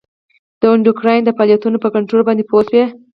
د اندوکراین د فعالیتونو په کنترول باندې پوه شئ.